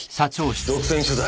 独占取材？